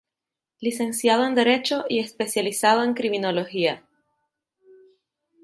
Licenciado en Derecho y especializado en Criminología.